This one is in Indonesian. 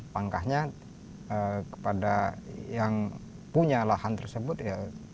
pangkahnya kepada yang punya lahan tersebut ya